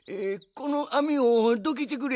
このあみをどけてくれ。